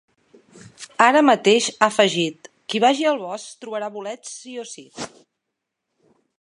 Ara mateix, ha afegit, ‘qui vagi al bosc, trobarà bolets sí o sí’.